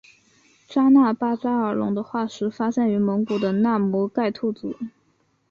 扎纳巴扎尔龙的化石发现于蒙古的纳摩盖吐组。